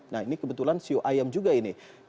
nah ini kebetulan sio ayam juga ini